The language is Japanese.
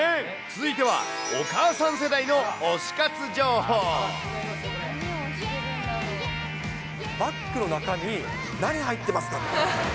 続いては、お母さん世代の推し活バッグの中身、何入ってますか？